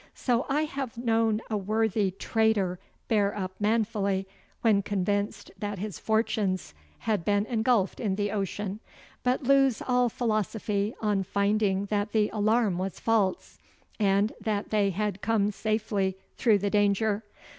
So I have known a worthy trader bear up manfully when convinced that his fortunes had been engulfed in the ocean, but lose all philosophy on finding that the alarm was false, and that they had come safely through the danger.